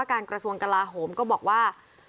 จัดการกระทรวงกระลาฮมก็บอกว่า